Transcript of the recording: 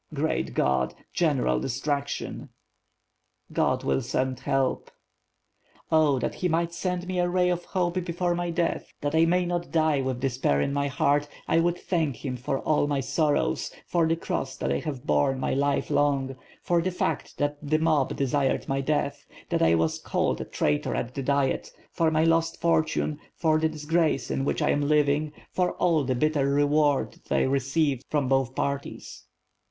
Great God! — ^general destruction." "God will send help." "Oh, that He might send me a ray of hope before my death, that I may not die with despair in my heart, I would thank Him for all my sorrows, for the cross that I have borne my life long, for the fact that the mob desired my life, that I was called a traitor at th^ Diet, for my lost fortune, for the dis 5i2 TF/TH FIRE AND SWORD. grace in which I am living, for all the bitter reward that I received from both parties."